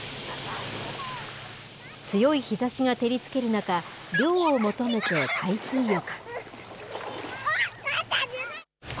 強い日ざしが照りつける中、涼を求めて、海水浴。